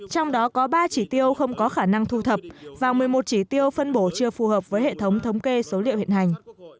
trong đó có ba chỉ tiêu không có khả năng thu thập và một mươi một chỉ tiêu phân bổ chưa phù hợp với hệ thống thống kê số liệu hiện hành